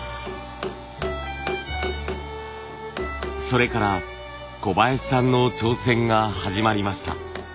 それから小林さんの挑戦が始まりました。